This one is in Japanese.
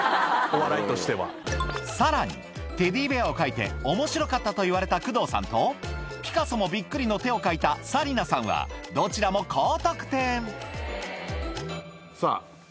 さらにテディベアを描いて「面白かった」といわれた工藤さんとピカソもびっくりの手を描いた紗理奈さんはどちらも高得点さぁ。